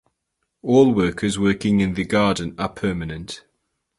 All workers working in the garden are permanent.